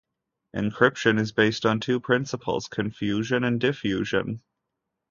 Encryption is based on two principles: confusion and diffusion.